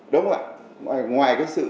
đúng rồi ngoài cái sự